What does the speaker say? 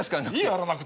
やんなくて。